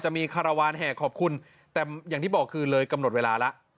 มีคารวาลแห่ขอบคุณแต่อย่างที่บอกคือเลยกำหนดเวลาแล้ว